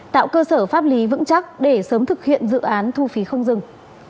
tạo cơ sở pháp lý vững chắc để sớm thực hiện dự án thu phí không dừng